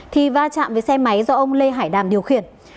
thì va chạm với xe máy do ông lê hải đàm điều khiển